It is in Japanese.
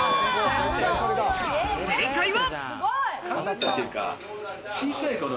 正解は。